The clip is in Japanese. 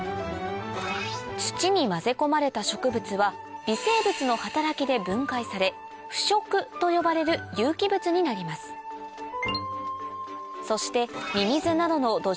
土に混ぜ込まれた植物は微生物の働きで分解され腐植と呼ばれる有機物になりますそしてミミズなどの土壌